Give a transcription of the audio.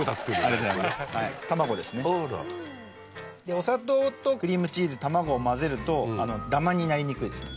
お砂糖とクリームチーズたまごを混ぜるとダマになりにくいですね